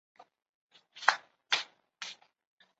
明末政治人物。